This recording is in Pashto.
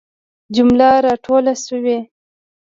جمله را ټوله سوي.